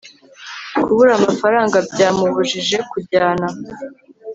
kubura amafaranga byamubujije kujyana